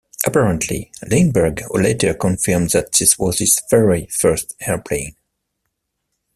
Apparently, Lindbergh later confirmed that this was his very first airplane.